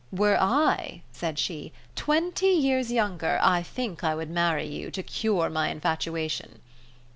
"Were I," said she, "twenty years younger, I think I would marry you, to cure my infatuation."